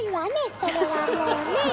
それはもうね。